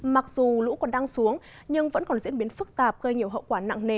mặc dù lũ còn đang xuống nhưng vẫn còn diễn biến phức tạp gây nhiều hậu quả nặng nề